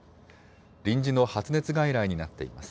臨時の発熱外来になっています。